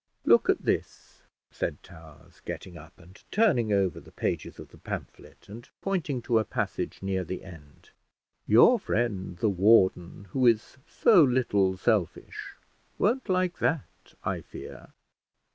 "Look at this," said Towers, getting up and turning over the pages of the pamphlet, and pointing to a passage near the end. "Your friend the warden, who is so little selfish, won't like that, I fear."